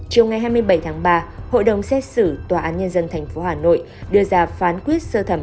chiều ngày hai mươi bảy tháng ba hội đồng xét xử tòa án nhân dân tp hà nội đưa ra phán quyết sơ thẩm